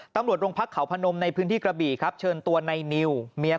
ตำรวจโรงพักเขาพนมในพื้นที่กระบี่ครับเชิญตัวในนิวเมีย